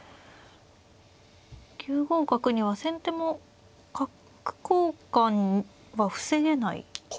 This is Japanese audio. ９五角には先手も角交換は防げないですか。